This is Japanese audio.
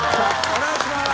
お願いします。